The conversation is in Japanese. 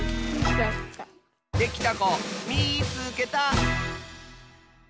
できたこみいつけた！